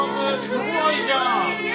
すごいじゃん！